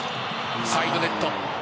サイドネット。